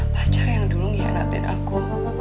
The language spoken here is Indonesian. pacar yang dulu ngianatin aku